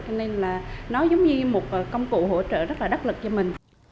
cho nên là nó giống như một công cụ hỗ trợ rất là đắc lực cho mình